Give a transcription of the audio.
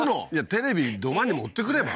テレビ土間に持ってくれば？